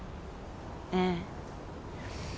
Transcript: ええ。